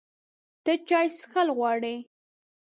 ته چای څښل غواړې؟